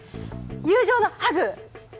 友情のハグ！